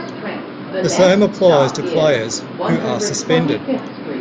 The same applies to players who are suspended.